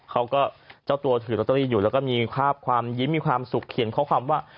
เขาก็เจ้าตัวถือลอตเตอรี่อยู่แล้วก็มีภาพความยิ้มมีความสุขเขียนข้อความว่า